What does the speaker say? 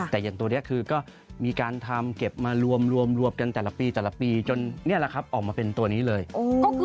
เพราะแต่ละมอบเป็นสีพันธุ์ที่ได้รับความนิยม